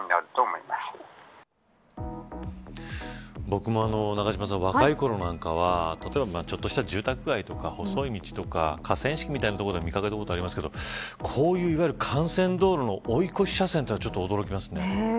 僕も永島さん若いころなんかは例えばちょっとした住宅街とか細い道とか河川敷みたいなところで見かけたことがありますけどこういう、いわゆる幹線道路の追い越し車線でというのは驚きますね。